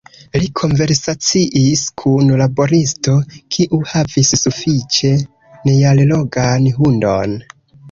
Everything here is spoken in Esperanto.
Li konversaciis kun laboristo, kiu havis sufiĉe neallogan hundon.